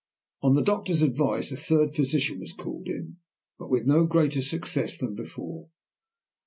On the doctor's advice a third physician was called in, but with no greater success than before.